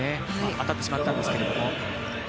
当たってしまったんですけれども。